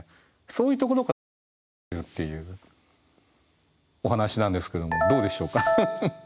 そういうところからキャラができてるっていうお話なんですけどもどうでしょうか？